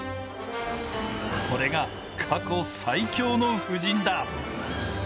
これが過去最強の布陣だ。